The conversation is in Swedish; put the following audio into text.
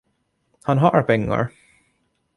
Han har pengar!